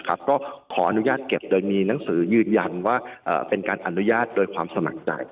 ก็ขออนุญาตเก็บโดยมีหนังสือยืนยันว่าเป็นการอนุญาตโดยความสมัครใจ